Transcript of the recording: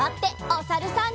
おさるさん。